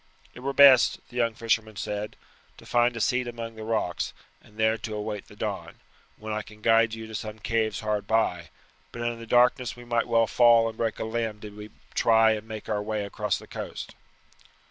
"It were best," the young fisherman said, "to find a seat among the rocks, and there to await the dawn, when I can guide you to some caves hard by; but in the darkness we might well fall and break a limb did we try and make our way across the coast."